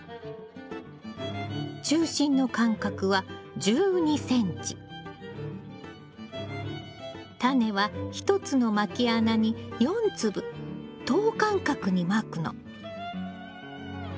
中心の間隔はタネは１つのまき穴に４粒等間隔にまくの。